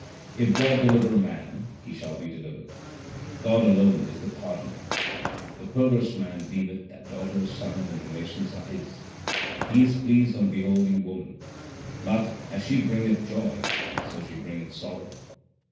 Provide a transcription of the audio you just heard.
If God deliver man, he shall be delivered ; God alone is the Pardoner. The perverse man deemeth that daughters, sons, and relations are his. He is pleased on beholding woman, but, as she bringcth joy, so she bringeth sorrow.